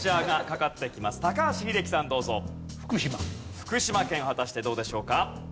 福島県果たしてどうでしょうか？